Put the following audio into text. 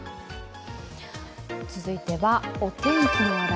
続いてはお天気の話題。